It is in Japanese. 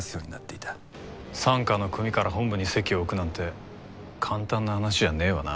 傘下の組から本部に籍を置くなんて簡単な話じゃねえわな。